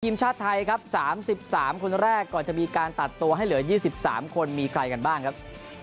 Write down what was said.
ทีมชาติไทยครับ๓๓คนแรกก่อนจะมีการตัดตัวให้เหลือ๒๓คนมีใครกันบ้างครับ